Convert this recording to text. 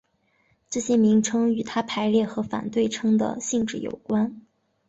这些名称与它排列和反对称的性质有关。